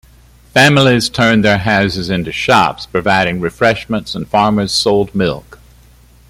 Families turned their houses into shops providing refreshments and farmers sold milk.